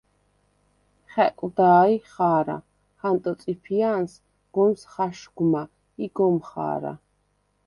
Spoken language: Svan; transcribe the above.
“ხა̈კვდა̄-ჲ ხა̄რა! ჰანტო წიფია̄ნს გომს ხაშგვმა ი გომ ხა̄რა!”